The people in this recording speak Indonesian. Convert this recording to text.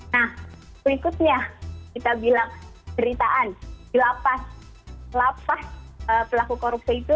nah berikutnya kita bilang ceritaan dilapas pelaku korupsi itu beberapa kasus yang kita tahu